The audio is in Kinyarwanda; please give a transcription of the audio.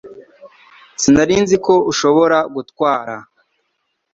Sinari nzi ko ushobora gutwara